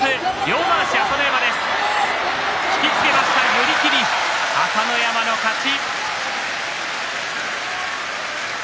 寄り切り、朝乃山の勝ち。